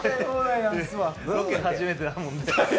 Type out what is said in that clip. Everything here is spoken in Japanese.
ロケ初めてなもんで。